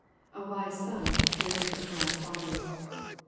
"A wise son maketh a glad father/' (Prov.